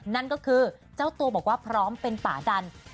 นั่นก็คือเจ้าตัวบอกว่าพร้อมเป็นป่าดัน